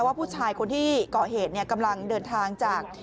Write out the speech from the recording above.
ว่าผู้ชายคนที่เกาะเหตุกำลังเดินทางจาก